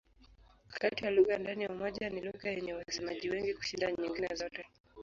Kati ya lugha ndani ya Umoja ni lugha yenye wasemaji wengi kushinda nyingine zote.